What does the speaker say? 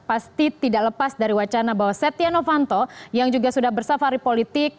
pasti tidak lepas dari wacana bahwa setia novanto yang juga sudah bersafari politik